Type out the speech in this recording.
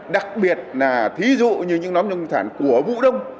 đặc biệt là thí dụ như những nhóm nông sản của vũ đông